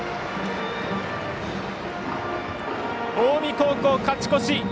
近江高校、勝ち越し！